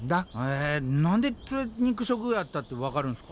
え何で肉食やったって分かるんすか？